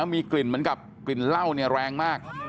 มีกลิ่นเหมือนกับกลิ่นเหล้าเนี่ยแรงมาก